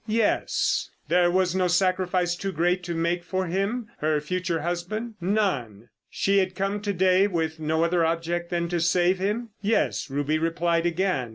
"Yes." "There was no sacrifice too great to make for him—her future husband?" "None." "She had come to day with no other object than to save him?" "Yes," Ruby replied again.